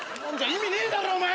意味ねえだろお前！